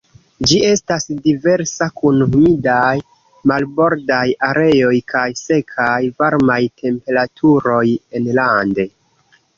Ĝi estas diversa kun humidaj marbordaj areoj kaj sekaj varmaj temperaturoj enlande.